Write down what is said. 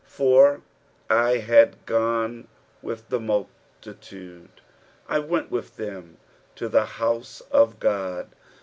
"For I had gone vith tha multitude, I vent with them to thehatue of God."